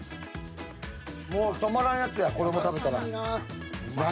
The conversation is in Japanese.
もう止まらんやつやこれも食べたら。